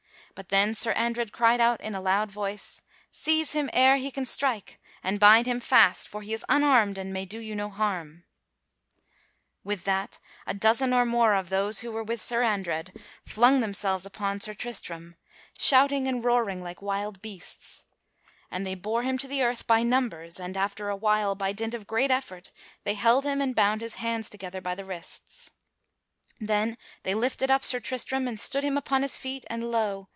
But then Sir Andred cried out in a loud voice: "Seize him ere he can strike and bind him fast, for he is unarmed and may do you no harm!" [Sidenote: The castle folk seize Sir Tristram] With that a dozen or more of those who were with Sir Andred flung themselves upon Sir Tristram, shouting and roaring like wild beasts. And they bore him to the earth by numbers, and after a while, by dint of great effort, they held him and bound his hands together by the wrists. Then they lifted up Sir Tristram and stood him upon his feet, and lo!